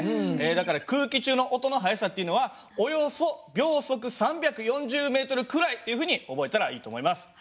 だから空気中の音の速さっていうのはおよそ秒速３４０ｍくらいっていうふうに覚えたらいいと思います。